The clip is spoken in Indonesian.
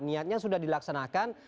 niatnya sudah dilaksanakan